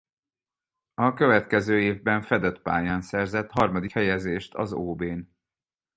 A következő évben fedett pályán szerzett harmadik helyezést az ob-n.